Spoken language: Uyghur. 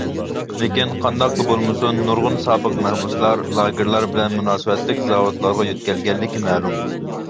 لېكىن قانداقلا بولمىسۇن، نۇرغۇن سابىق مەھبۇسلار، لاگېرلار بىلەن مۇناسىۋەتلىك زاۋۇتلارغا يۆتكەلگەنلىكى مەلۇم.